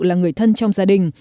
là người thân trong gia đình